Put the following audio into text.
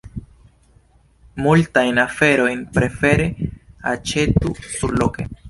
Multajn aferojn prefere aĉetu surloke.